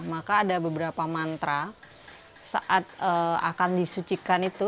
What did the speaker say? maka ada beberapa mantra saat akan disucikan itu